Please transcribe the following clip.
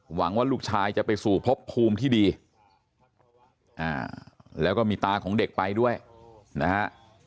หวังว่าลูกชายจะไปสู่พบภูมิที่ดีแล้วก็มีตาของเด็กไปด้วยนะฮะ